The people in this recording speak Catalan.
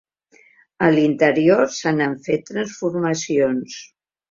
A l'interior se n'han fet transformacions.